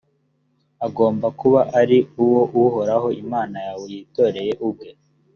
agomba kuba ari uwo uhoraho imana yawe yitoreye ubwe.